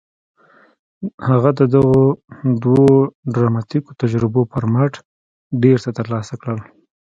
هغه د دغو دوو ډراماتيکو تجربو پر مټ ډېر څه ترلاسه کړل.